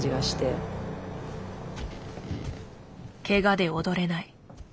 けがで踊れない。